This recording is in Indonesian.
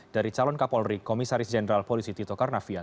dari calon kapolri komisaris jenderal polisi tito karnavian